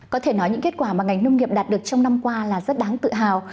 có thể nói những kết quả mà ngành nông nghiệp đạt được trong năm qua là rất đáng tự hào